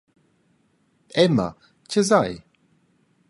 Emma, tgei eis ei?